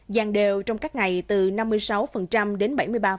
dàn đều trong các ngày từ năm mươi sáu đến bảy mươi ba